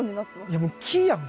いやもう木やん！